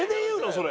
それ。